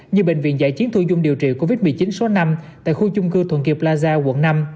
như bệnh viện giải chiến thu dung điều trị covid một mươi chín số năm tại khu chung cư thuận kiệp plaza quận năm